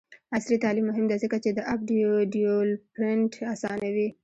عصري تعلیم مهم دی ځکه چې د اپ ډیولپمنټ اسانوي.